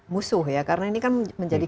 musuh ya karena ini kan menjadi